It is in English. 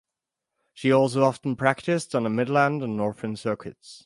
She also often practised on the Midland and Northern Circuits.